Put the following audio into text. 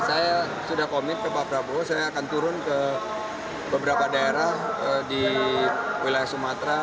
saya sudah komit ke pak prabowo saya akan turun ke beberapa daerah di wilayah sumatera